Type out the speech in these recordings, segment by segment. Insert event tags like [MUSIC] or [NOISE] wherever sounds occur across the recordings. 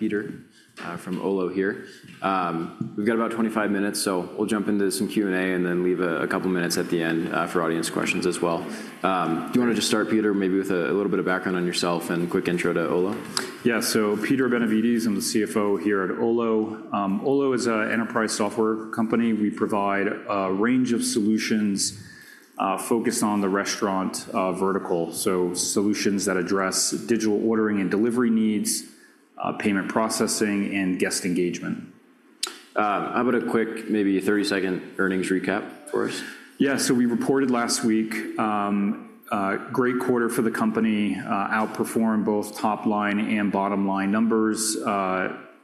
Peter, from Olo here. We've got about 25 minutes, so we'll jump into some Q&A, and then leave a couple minutes at the end, for audience questions as well. Do you want to just start, Peter, maybe with a little bit of background on yourself and a quick intro to Olo? Yeah. So Peter Benevides, I'm the CFO here at Olo. Olo is a enterprise software company. We provide a range of solutions, focused on the restaurant vertical. So solutions that address digital ordering and delivery needs, payment processing, and guest engagement. How about a quick, maybe a 30-second earnings recap for us? Yeah. So we reported last week a great quarter for the company, outperformed both top-line and bottom-line numbers,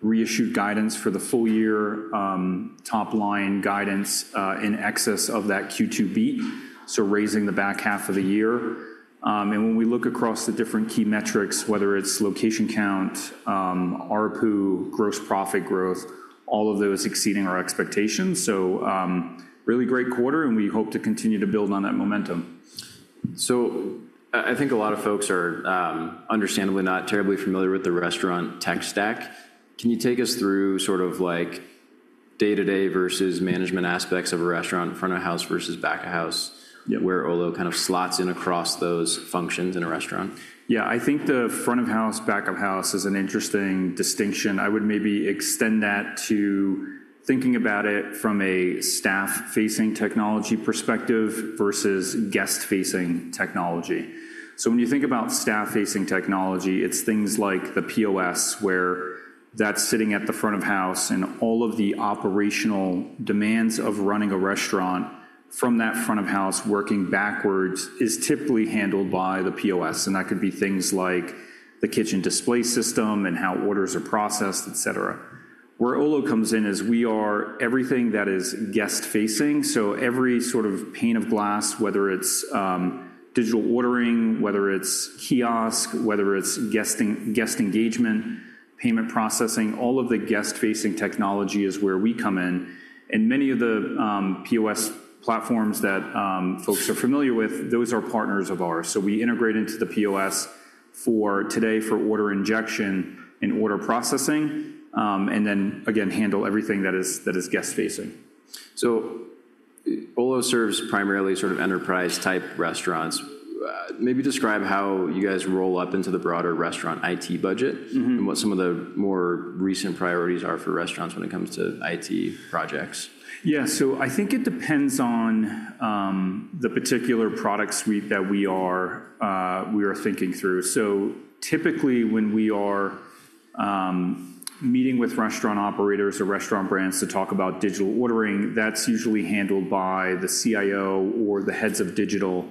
reissued guidance for the full year, top-line guidance in excess of that Q2 beat, so raising the back half of the year. And when we look across the different key metrics, whether it's location count, ARPU, gross profit growth, all of those exceeding our expectations. So, really great quarter, and we hope to continue to build on that momentum. I think a lot of folks are, understandably not terribly familiar with the restaurant tech stack. Can you take us through sort of like day-to-day versus management aspects of a restaurant, front of house versus back of house? Where Olo kind of slots in across those functions in a restaurant? Yeah. I think the front of house, back of house is an interesting distinction. I would maybe extend that to thinking about it from a staff-facing technology perspective versus guest-facing technology. So when you think about staff-facing technology, it's things like the POS, where that's sitting at the front of house, and all of the operational demands of running a restaurant from that front of house working backwards is typically handled by the POS, and that could be things like the kitchen display system and how orders are processed, et cetera. Where Olo comes in is we are everything that is guest-facing, so every sort of pane of glass, whether it's digital ordering, whether it's kiosk, whether it's guest engagement, payment processing, all of the guest-facing technology is where we come in. Many of the POS platforms that folks are familiar with, those are partners of ours. So we integrate into the POS for today for order injection and order processing, and then again, handle everything that is, that is guest-facing. So Olo serves primarily sort of enterprise-type restaurants. Maybe describe how you guys roll up into the broader restaurant IT budget? And what some of the more recent priorities are for restaurants when it comes to IT projects. Yeah. So I think it depends on the particular product suite that we are, we are thinking through. So typically, when we are meeting with restaurant operators or restaurant brands to talk about digital ordering, that's usually handled by the CIO or the heads of digital,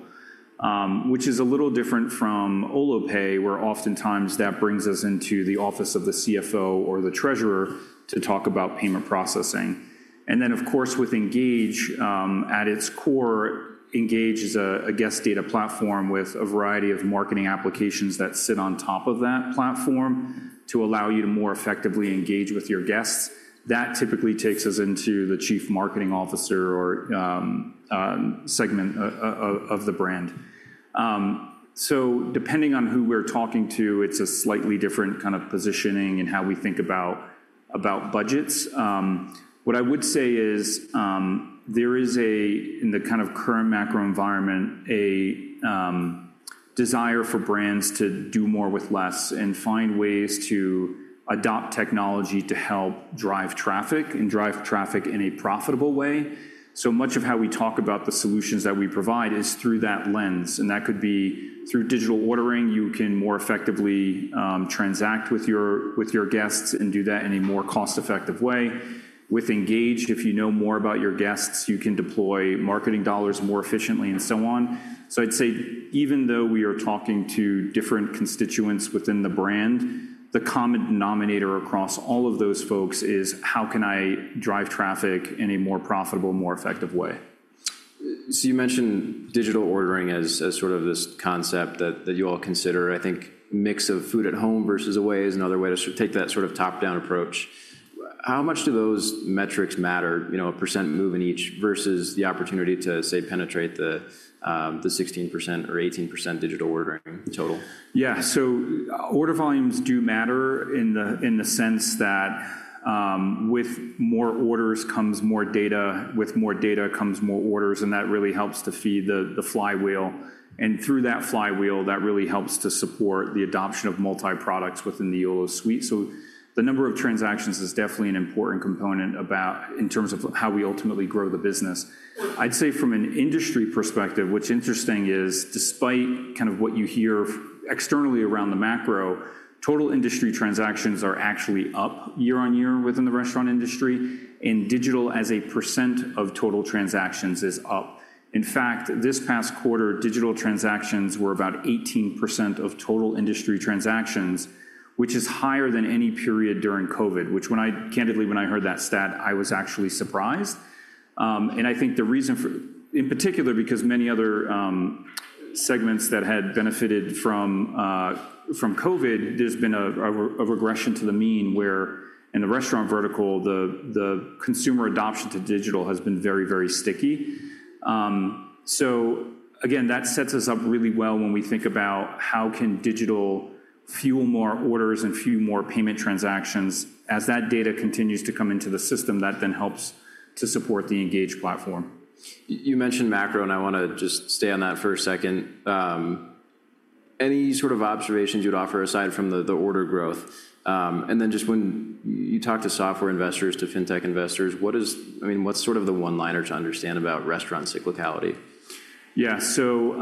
which is a little different from Olo Pay, where oftentimes that brings us into the office of the CFO or the treasurer to talk about Payment processing. And then, of course, with Engage, at its core, Engage is a guest data platform with a variety of marketing applications that sit on top of that platform to allow you to more effectively engage with your guests. That typically takes us into the chief marketing officer or segment of the brand. So depending on who we're talking to, it's a slightly different kind of positioning in how we think about budgets. What I would say is, there is a, in the kind of current macro environment, a desire for brands to do more with less and find ways to adopt technology to help drive traffic and drive traffic in a profitable way. So much of how we talk about the solutions that we provide is through that lens, and that could be through digital ordering. You can more effectively transact with your guests and do that in a more cost-effective way. With Engage, if you know more about your guests, you can deploy marketing dollars more efficiently, and so on. So I'd say even though we are talking to different constituents within the brand, the common denominator across all of those folks is: How can I drive traffic in a more profitable, more effective way? So you mentioned digital ordering as sort of this concept that you all consider. I think mix of food at home versus away is another way to take that sort of top-down approach. How much do those metrics matter, you know, a percent move in each versus the opportunity to, say, penetrate the 16% or 18% digital ordering total? Yeah. So order volumes do matter in the sense that, with more orders comes more data, with more data comes more orders, and that really helps to feed the flywheel, and through that flywheel, that really helps to support the adoption of multi-products within the Olo suite. So the number of transactions is definitely an important component about in terms of how we ultimately grow the business. I'd say from an industry perspective, what's interesting is, despite kind of what you hear externally around the macro, total industry transactions are actually up year-over-year within the restaurant industry, and digital as a percent of total transactions is up. In fact, this past quarter, digital transactions were about 18% of total industry transactions, which is higher than any period during COVID, which when I candidly, when I heard that stat, I was actually surprised. And I think the reason for—in particular, because many other segments that had benefited from COVID, there's been a regression to the mean, in the restaurant vertical, the consumer adoption to digital has been very, very sticky. So again, that sets us up really well when we think about how can digital fuel more orders and fuel more payment transactions. As that data continues to come into the system, that then helps to support the Engage platform. You mentioned macro, and I want to just stay on that for a second. Any sort of observations you'd offer aside from the order growth? And then just when you talk to software investors, to fintech investors, what is—I mean, what's sort of the one-liner to understand about restaurant cyclicality? Yeah. So,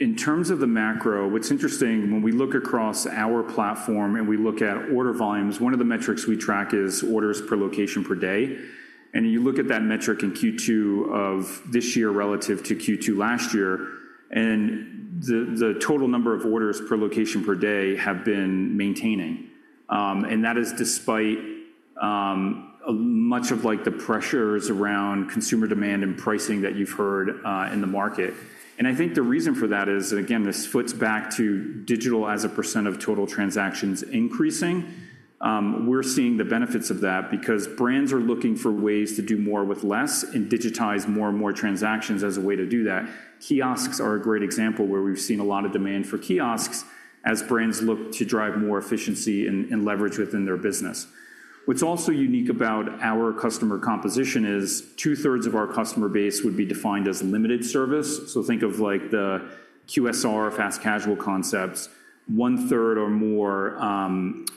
in terms of the macro, what's interesting when we look across our platform and we look at order volumes, one of the metrics we track is orders per location per day. And you look at that metric in Q2 of this year relative to Q2 last year, and the total number of orders per location per day have been maintaining. And that is despite much of like the pressures around consumer demand and pricing that you've heard in the market. And I think the reason for that is, and again, this flips back to digital as a percent of total transactions increasing, we're seeing the benefits of that because brands are looking for ways to do more with less and digitize more and more transactions as a way to do that. Kiosks are a great example where we've seen a lot of demand for kiosks as brands look to drive more efficiency and leverage within their business. What's also unique about our customer composition is 2/3 of our customer base would be defined as limited service, so think of like the QSR fast casual concepts, 1/3 or more,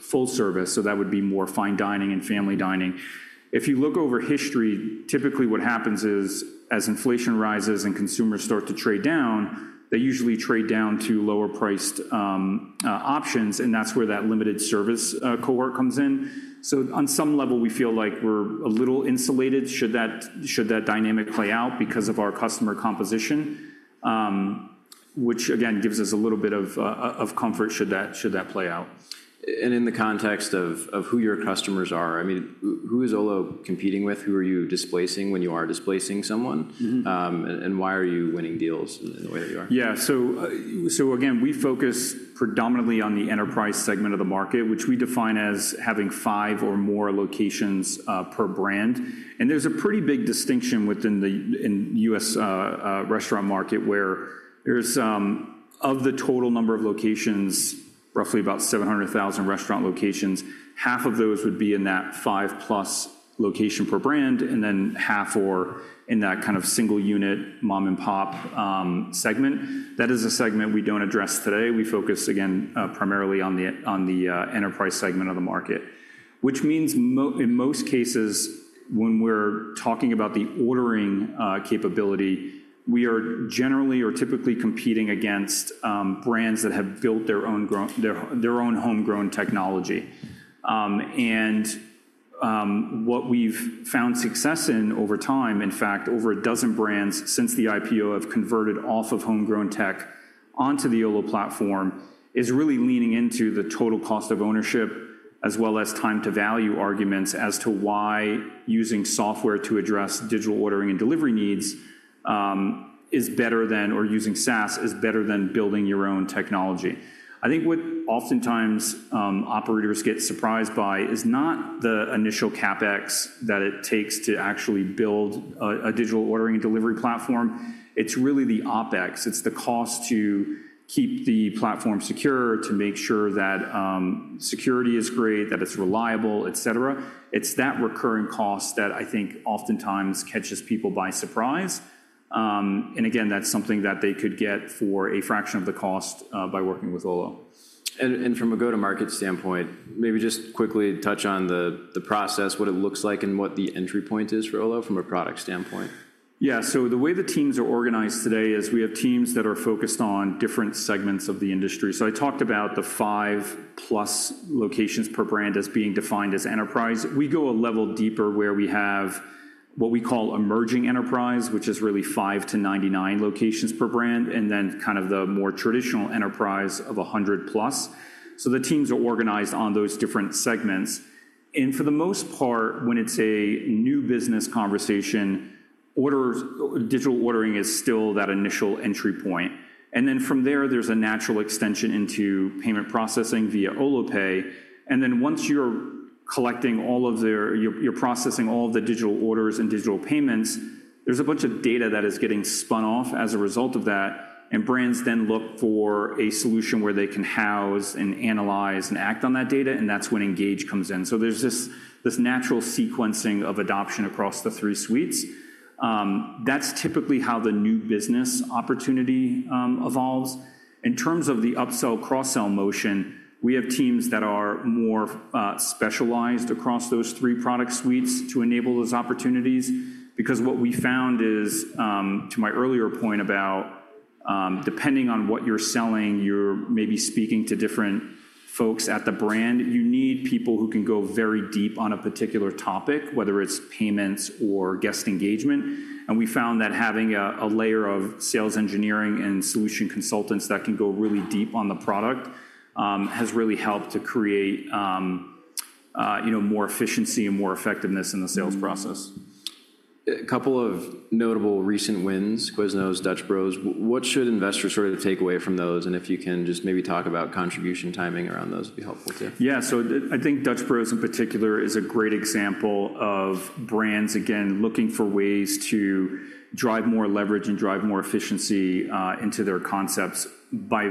full service, so that would be more fine dining and family dining. If you look over history, typically what happens is, as inflation rises and consumers start to trade down, they usually trade down to lower-priced options, and that's where that limited service cohort comes in. So on some level, we feel like we're a little insulated, should that, should that dynamic play out because of our customer composition, which again, gives us a little bit of comfort, should that, should that play out. In the context of who your customers are, I mean, who is Olo competing with? Who are you displacing when you are displacing someone? Why are you winning deals in the way that you are? Yeah. So, so again, we focus predominantly on the enterprise segment of the market, which we define as having five or more locations per brand. And there's a pretty big distinction within the, in the U.S., restaurant market, where there's, of the total number of locations, roughly about 700,000 restaurant locations, half of those would be in that 5+ location per brand, and then half are in that kind of single unit, mom-and-pop, segment. That is a segment we don't address today. We focus again, primarily on the, on the, enterprise segment of the market, which means in most cases, when we're talking about the ordering, capability, we are generally or typically competing against, brands that have built their own grown, their own homegrown technology. And, what we've found success in over time, in fact, over a dozen brands since the IPO, have converted off of homegrown tech onto the Olo platform, is really leaning into the total cost of ownership, as well as time to value arguments as to why using software to address digital ordering and delivery needs, is better than or using SaaS is better than building your own technology. I think what oftentimes, operators get surprised by is not the initial CapEx that it takes to actually build a digital ordering and delivery platform, it's really the OpEx. It's the cost to keep the platform secure, to make sure that, security is great, that it's reliable, et cetera. It's that recurring cost that I think oftentimes catches people by surprise. Again, that's something that they could get for a fraction of the cost, by working with Olo. From a go-to-market standpoint, maybe just quickly touch on the process, what it looks like, and what the entry point is for Olo from a product standpoint. Yeah. So the way the teams are organized today is we have teams that are focused on different segments of the industry. So I talked about the 5+ locations per brand as being defined as enterprise. We go a level deeper where we have what we call emerging enterprise, which is really five to 99 locations per brand, and then kind of the more traditional enterprise of 100+. So the teams are organized on those different segments, and for the most part, when it's a new business conversation, orders- digital ordering is still that initial entry point. And then from there, there's a natural extension into payment processing via Olo Pay. And then once you're collecting all of their you're processing all of the digital orders and digital payments, there's a bunch of data that is getting spun off as a result of that, and brands then look for a solution where they can house and analyze and act on that data, and that's when Engage comes in. So there's this natural sequencing of adoption across the three suites. That's typically how the new business opportunity evolves. In terms of the upsell, cross-sell motion, we have teams that are more specialized across those three product suites to enable those opportunities. Because what we found is, to my earlier point about, depending on what you're selling, you're maybe speaking to different folks at the brand. You need people who can go very deep on a particular topic, whether it's payments or guest engagement, and we found that having a layer of sales engineering and solution consultants that can go really deep on the product, has really helped to create, you know, more efficiency and more effectiveness in the sales process. A couple of notable recent wins, Quiznos, Dutch Bros. What should investors sort of take away from those? And if you can just maybe talk about contribution timing around those, it'd be helpful, too. Yeah, so I think Dutch Bros, in particular, is a great example of brands, again, looking for ways to drive more leverage and drive more efficiency into their concepts by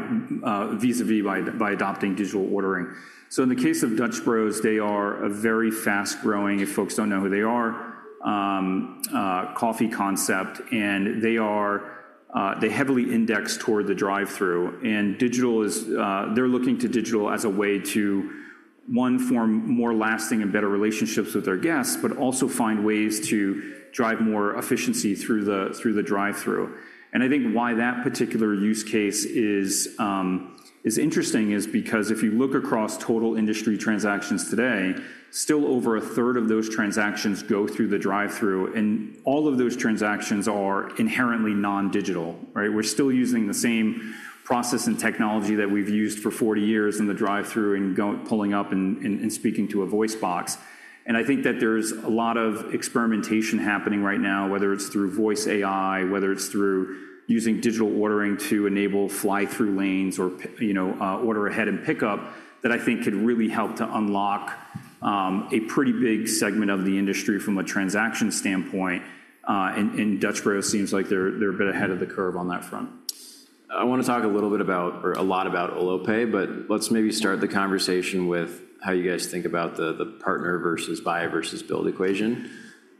vis-à-vis by adopting digital ordering. So in the case of Dutch Bros, they are a very fast-growing, if folks don't know who they are, coffee concept, and they are they heavily index toward the drive-thru. And digital is they're looking to digital as a way to, one, form more lasting and better relationships with their guests, but also find ways to drive more efficiency through the drive-thru. And I think why that particular use case is interesting is because if you look across total industry transactions today, still over a third of those transactions go through the drive-thru, and all of those transactions are inherently non-digital, right? We're still using the same process and technology that we've used for 40 years in the drive-thru and go- pulling up and speaking to a voice box. I think that there's a lot of experimentation happening right now, whether it's through voice AI, whether it's through using digital ordering to enable drive-thru lanes or you know, order ahead and pickup, that I think could really help to unlock a pretty big segment of the industry from a transaction standpoint, and Dutch Bros seems like they're a bit ahead of the curve on that front. I want to talk a little bit about or a lot about Olo Pay, but let's maybe start the conversation with how you guys think about the partner versus buy versus build equation.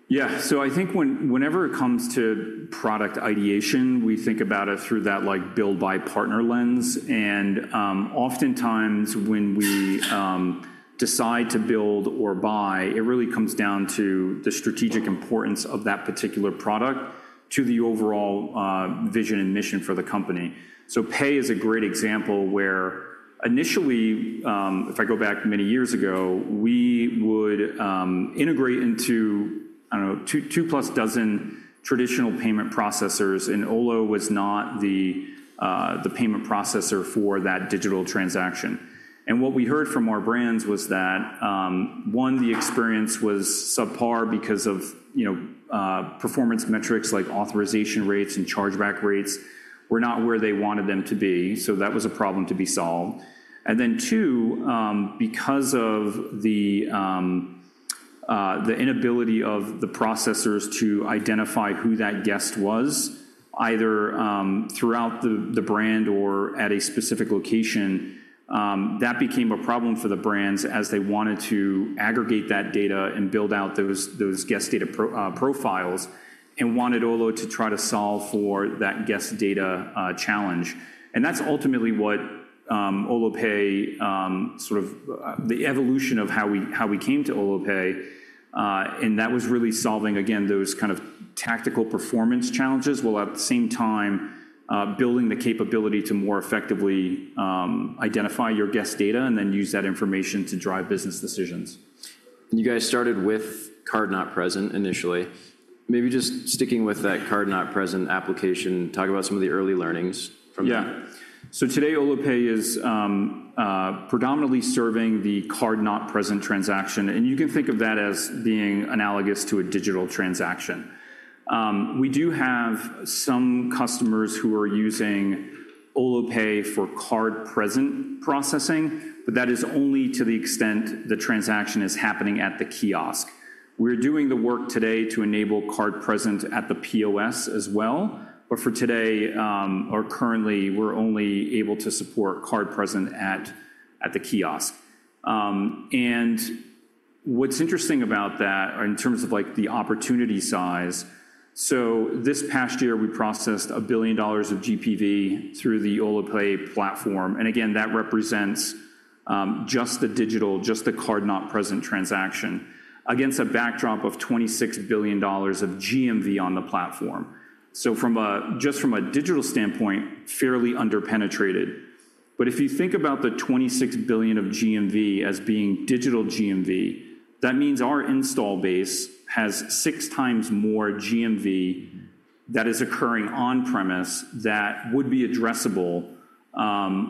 Yeah. So I think whenever it comes to product ideation, we think about it through that like build by partner lens. And, oftentimes, when we decide to build or buy, it really comes down to the strategic importance of that particular product to the overall, the vision and mission for the company. So pay is a great example where initially, if I go back many years ago, we would integrate into, I don't know, two, two-plus dozen traditional payment processors, and Olo was not the, the payment processor for that digital transaction. And what we heard from our brands was that, one, the experience was subpar because of, you know, performance metrics like authorization rates and chargeback rates were not where they wanted them to be, so that was a problem to be solved. And then, two, because of the inability of the processors to identify who that guest was, either, throughout the brand or at a specific location, that became a problem for the brands as they wanted to aggregate that data and build out those guest data profiles, and wanted Olo to try to solve for that guest data challenge. And that's ultimately what Olo Pay sort of the evolution of how we came to Olo Pay, and that was really solving, again, those kind of tactical performance challenges, while at the same time, building the capability to more effectively identify your guest data and then use that information to drive business decisions. You guys started with card-not-present initially. Maybe just sticking with that card-not-present application, talk about some of the early learnings from that. Yeah. So today, Olo Pay is predominantly serving the card-not-present transaction, and you can think of that as being analogous to a digital transaction. We do have some customers who are using Olo Pay for card-present processing, but that is only to the extent the transaction is happening at the kiosk. We're doing the work today to enable card present at the POS as well, but for today, or currently, we're only able to support card present at the kiosk. And what's interesting about that are in terms of, like, the opportunity size, so this past year, we processed $1 billion of GPV through the Olo Pay platform, and again, that represents just the digital, just the card-not-present transaction, against a backdrop of $26 billion of GMV on the platform. So from a- just from a digital standpoint, fairly underpenetrated. But if you think about the $26 billion of GMV as being digital GMV, that means our install base has six times more GMV that is occurring on-premise that would be addressable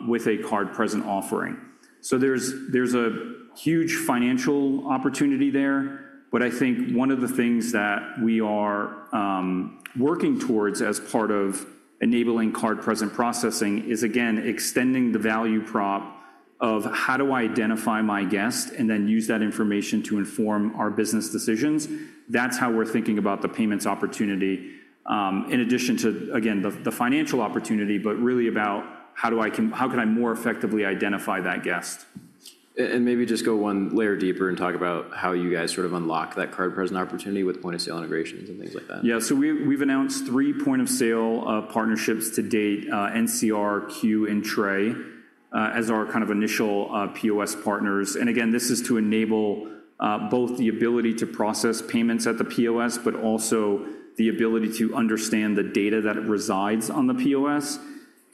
with a card-present offering. So there's, there's a huge financial opportunity there, but I think one of the things that we are working towards as part of enabling card-present processing is, again, extending the value prop of how do I identify my guest and then use that information to inform our business decisions? That's how we're thinking about the payments opportunity in addition to, again, the, the financial opportunity, but really about how do I con- how can I more effectively identify that guest? And maybe just go one layer deeper and talk about how you guys sort of unlock that card-present opportunity with Point of Sale integrations and things like that. Yeah, so we, we've announced three point-of-sale partnerships to date, NCR, Qu, and PAR, as our kind of initial POS partners. And again, this is to enable both the ability to process payments at the POS, but also the ability to understand the data that resides on the POS.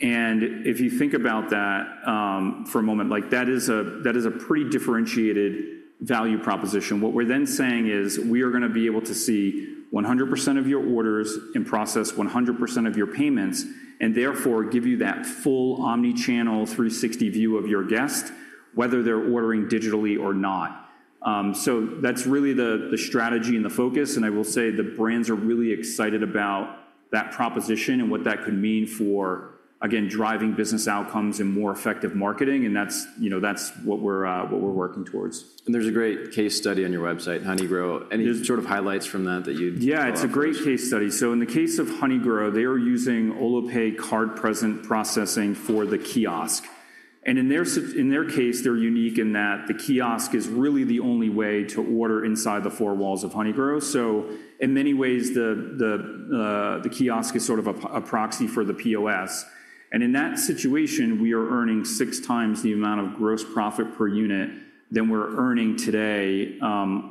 And if you think about that, for a moment, like, that is a, that is a pretty differentiated value proposition. What we're then saying is, we are going to be able to see 100% of your orders and process 100% of your payments, and therefore, give you that full omni-channel 360 view of your guest, whether they're ordering digitally or not. So that's really the, the strategy and the focus, and I will say the brands are really excited about that proposition and what that could mean for, again, driving business outcomes and more effective marketing, and that's, you know, that's what we're, what we're working towards. There's a great case study on your website, Honeygrow. Any sort of highlights from that that you'd- Yeah, it's a great case study. So in the case of Honeygrow, they are using Olo Pay card-present processing for the kiosk. And in their case, they're unique in that the kiosk is really the only way to order inside the four walls of Honeygrow. So in many ways, the kiosk is sort of a proxy for the POS. And in that situation, we are earning six times the amount of gross profit per unit than we're earning today,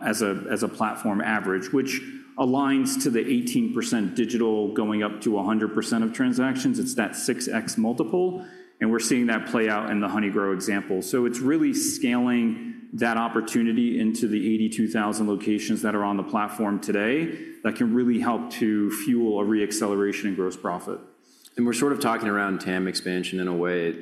as a platform average, which aligns to the 18% digital going up to 100% of transactions. It's that 6x multiple, and we're seeing that play out in the Honeygrow example. So it's really scaling that opportunity into the 82,000 locations that are on the platform today, that can really help to fuel a re-acceleration in gross profit. We're sort of talking around TAM expansion in a way,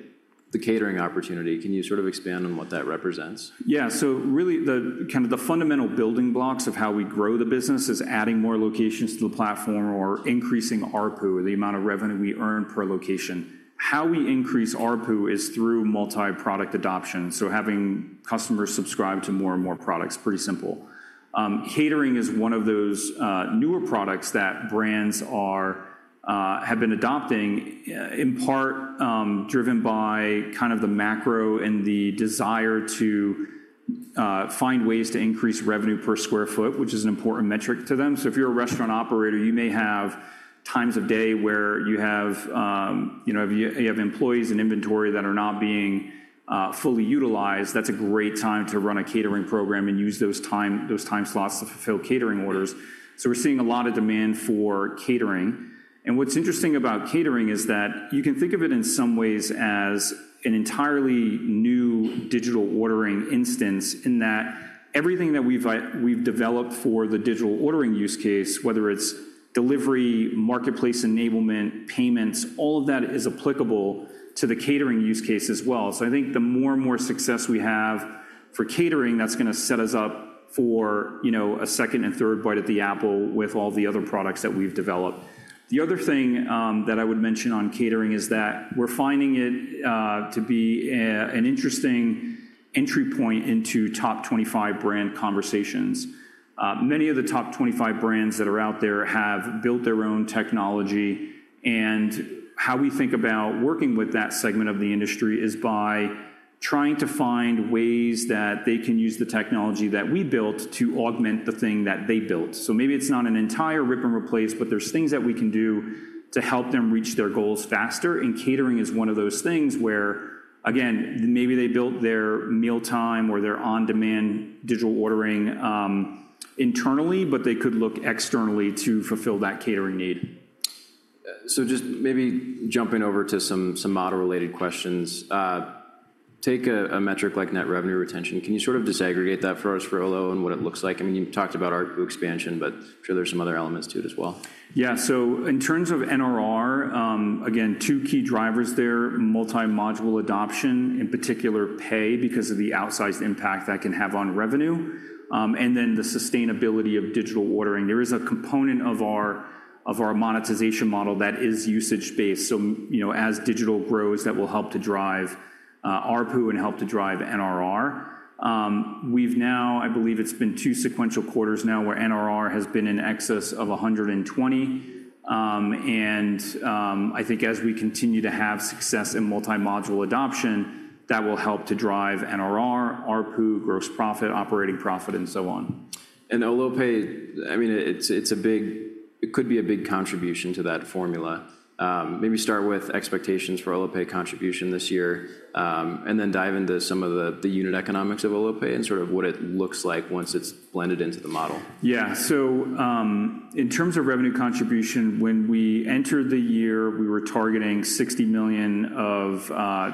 the catering opportunity. Can you sort of expand on what that represents? Yeah. So really, the kind of fundamental building blocks of how we grow the business is adding more locations to the platform or increasing ARPU, the amount of revenue we earn per location. How we increase ARPU is through multi-product adoption, so having customers subscribe to more and more products, pretty simple. Catering is one of those newer products that brands are have been adopting in part driven by kind of the macro and the desire to find ways to increase revenue per square foot, which is an important metric to them. So if you're a restaurant operator, you may have times of day where you have you know you have employees and inventory that are not being fully utilized. That's a great time to run a catering program and use those time slots to fulfill catering orders. We're seeing a lot of demand for catering. What's interesting about catering is that you can think of it in some ways as an entirely new digital ordering instance, in that everything that we've developed for the digital ordering use case, whether it's delivery, marketplace enablement, payments, all of that is applicable to the catering use case as well. I think the more and more success we have for catering, that's gonna set us up for, you know, a second and third bite at the apple with all the other products that we've developed. The other thing that I would mention on catering is that we're finding it to be an interesting entry point into top 25 brand conversations. Many of the top 25 brands that are out there have built their own technology, and how we think about working with that segment of the industry is by trying to find ways that they can use the technology that we built to augment the thing that they built. So maybe it's not an entire rip and replace, but there's things that we can do to help them reach their goals faster, and catering is one of those things where, again, maybe they built their mealtime or their on-demand digital ordering internally, but they could look externally to fulfill that catering need. Just maybe jumping over to some model-related questions. Take a metric like net revenue retention. Can you sort of disaggregate that for us for Olo and what it looks like? I mean, you've talked about ARPU expansion, but I'm sure there's some other elements to it as well. Yeah, so in terms of NRR, again, two key drivers there, multi-module adoption, in particular, Pay, because of the outsized impact that can have on revenue, and then the sustainability of digital ordering. There is a component of our, of our monetization model that is usage-based, so, you know, as digital grows, that will help to drive, ARPU and help to drive NRR. We've now, I believe it's been two sequential quarters now, where NRR has been in excess of 120. And, I think as we continue to have success in multi-module adoption, that will help to drive NRR, ARPU, gross profit, operating profit, and so on. Olo Pay, I mean, it's a big... It could be a big contribution to that formula. Maybe start with expectations for Olo Pay contribution this year, and then dive into some of the unit economics of Olo Pay and sort of what it looks like once it's blended into the model. Yeah. So, in terms of revenue contribution, when we entered the year, we were targeting $60 million of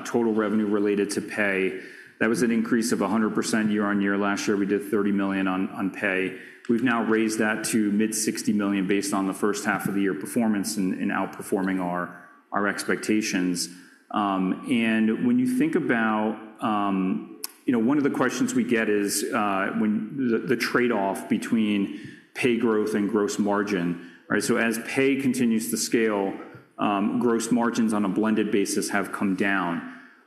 total revenue related to Pay. That was an increase of 100% year-over-year. Last year, we did $30 million on Pay. We've now raised that to mid $60 million based on the first half of the year performance and outperforming our expectations. And when you think about. You know, one of the questions we get is when the trade-off between Pay growth and gross margin, right? So as Pay continues to scale, gross margins on a blended basis have come down,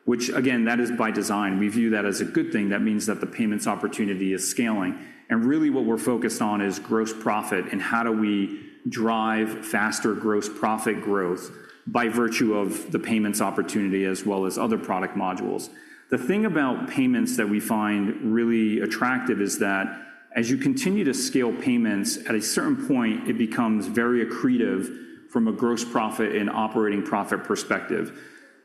which again, that is by design. We view that as a good thing. That means that the payments opportunity is scaling, and really what we're focused on is gross profit and how do we drive faster gross profit growth by virtue of the payments opportunity as well as other product modules. The thing about payments that we find really attractive is that as you continue to scale payments, at a certain point, it becomes very accretive from a gross profit and operating profit perspective.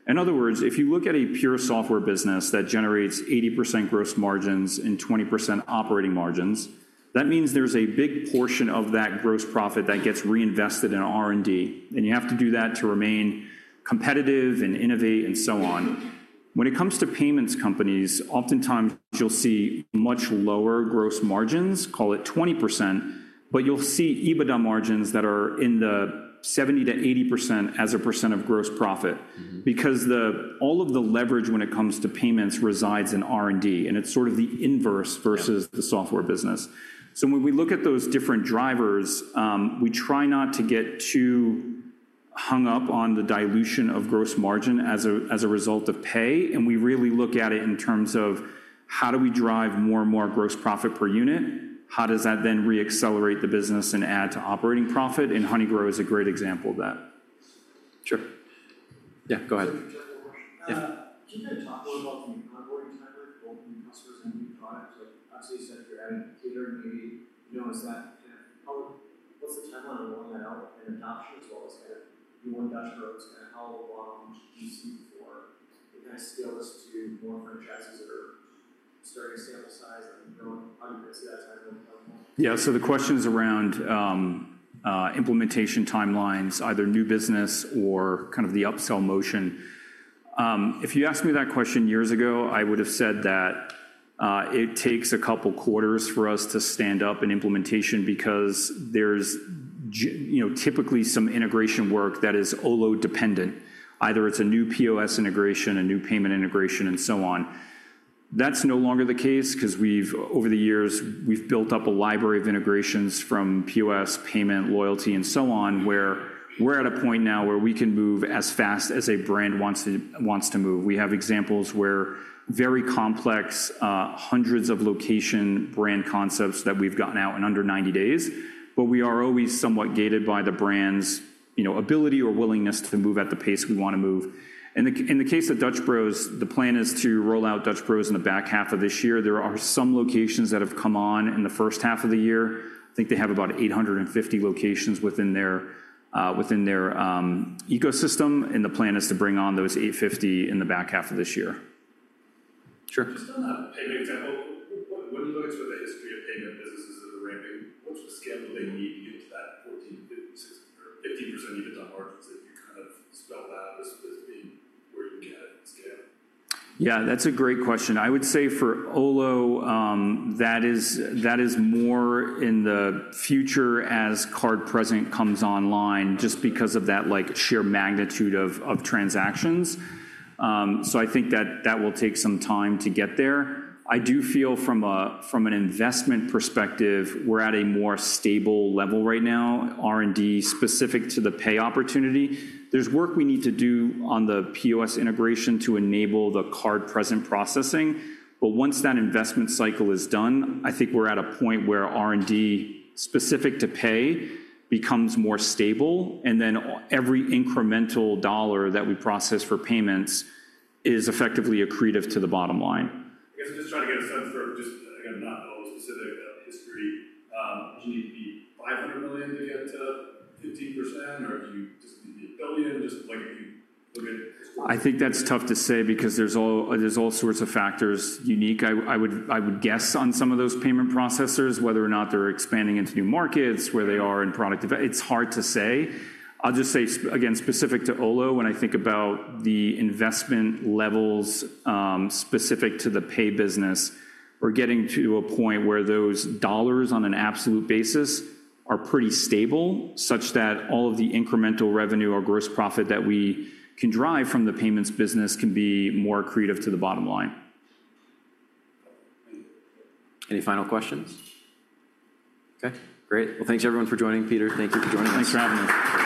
In other words, if you look at a pure software business that generates 80% gross margins and 20% operating margins, that means there's a big portion of that gross profit that gets reinvested in R&D, and you have to do that to remain competitive and innovate and so on. When it comes to payments companies, oftentimes you'll see much lower gross margins, call it 20%, but you'll see EBITDA margins that are in the 70%-80% as a percent of gross profit. Because all of the leverage when it comes to payments resides in R&D, and it's sort of the inverse versus the software business. So when we look at those different drivers, we try not to get too hung up on the dilution of gross margin as a result of pay, and we really look at it in terms of how do we drive more and more gross profit per unit? How does that then reaccelerate the business and add to operating profit? And Honeygrow is a great example of that. Sure. Yeah, go ahead. [AUDIO DISTORTION] Can you talk more about the onboarding timeline for both new customers and new products? Like you obviously said, if you're adding Peter, maybe, you know, is that, how, what's the timeline of rolling that out and adoption, as well as kind of new Dutch Bros, and how long do you see before you kind of scale this to more franchises that are starting to sample size. Yeah, so the question is around implementation timelines, either new business or kind of the upsell motion. If you asked me that question years ago, I would have said that it takes a couple quarters for us to stand up an implementation because there's you know, typically some integration work that is Olo dependent. Either it's a new POS integration, a new payment integration, and so on. That's no longer the case 'cause we've, over the years, we've built up a library of integrations from POS, payment, loyalty, and so on, where we're at a point now where we can move as fast as a brand wants to, wants to move. We have examples where very complex, hundreds of location brand concepts that we've gotten out in under 90 days, but we are always somewhat gated by the brand's, you know, ability or willingness to move at the pace we want to move. In the case of Dutch Bros, the plan is to roll out Dutch Bros in the back half of this year. There are some locations that have come on in the first half of the year. I think they have about 850 locations within their ecosystem, and the plan is to bring on those 850 in the back half of this year. [AUDIO DISTORTION] when you look through the history of payment businesses that are ramping, what's the scale that they need to get to that 14, 15, 16, or 15% EBITDA margins? If you kind of spell that out as, as being where you get scale. Yeah, that's a great question. I would say for Olo, that is more in the future as card present comes online just because of that, like, sheer magnitude of transactions. So I think that will take some time to get there. I do feel from an investment perspective, we're at a more stable level right now, R&D specific to the pay opportunity. There's work we need to do on the POS integration to enable the card-present processing, but once that investment cycle is done, I think we're at a point where R&D specific to pay becomes more stable, and then every incremental dollar that we process for payments is effectively accretive to the bottom line. I guess I'm just trying to get a sense for, just, again, not Olo-specific, history. Do you need to be $500 million to get to 15%, or do you just need a billion? Just like [AUDIO DISTORTION] I think that's tough to say because there's all sorts of factors unique. I would guess on some of those payment processors, whether or not they're expanding into new markets, where they are in product dev. It's hard to say. I'll just say, again, specific to Olo, when I think about the investment levels, specific to the pay business, we're getting to a point where those dollars on an absolute basis are pretty stable, such that all of the incremental revenue or gross profit that we can derive from the payments business can be more accretive to the bottom line. Any final questions? Okay, great. Well, thanks, everyone, for joining. Peter, thank you for joining us. Thanks for having me.